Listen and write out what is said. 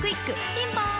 ピンポーン